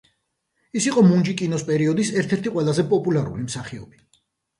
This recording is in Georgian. ის იყო მუნჯი კინოს პერიოდის ერთ-ერთი ყველაზე პოპულარული მსახიობი.